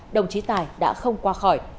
đồng chí tài đã không qua khỏi